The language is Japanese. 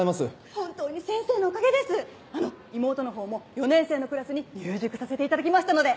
本当に先生のおかげですあの妹のほうも４年生のクラスに入塾させていただきましたので。